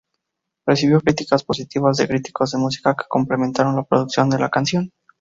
Recibió críticas positivas de críticos de música que complementaron la producción de la canción.